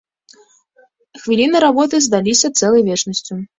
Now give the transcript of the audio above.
Хвіліны работы здаліся цэлай вечнасцю.